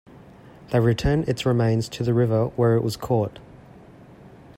They return its remains to the river where it was caught.